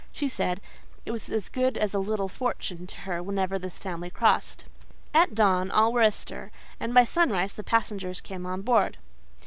She said, "It was as good as a little fortune to her whenever this family crossed." At dawn all were astir, and by sunrise the passengers came on board.